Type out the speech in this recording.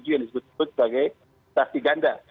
yang disebut sebagai tasi ganda